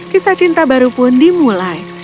kisah cinta baru pun dimulai